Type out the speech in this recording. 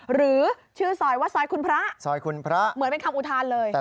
หรือชื่อซอยว่าซอยคุณพระ